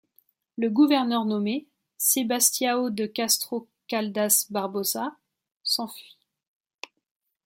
Le gouverneur nommé, Sebastião de Castro Caldas Barbosa, s'enfuit.